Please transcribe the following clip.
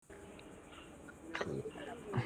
另一种则是全用鸡蛋制造。